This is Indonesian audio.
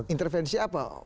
intervensi apa om pras